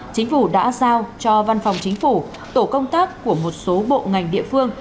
chính phủ đã giao cho văn phòng chính phủ tổ công tác của một số bộ ngành địa phương